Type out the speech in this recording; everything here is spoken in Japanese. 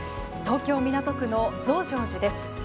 東京・港区の増上寺です。